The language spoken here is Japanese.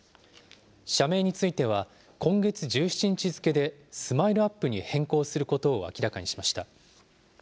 社名については、今月１７日付でＳＭＩＬＥーＵＰ．に変更することを明らかにしました。